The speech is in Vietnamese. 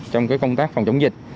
trong cái công tác phòng chống dịch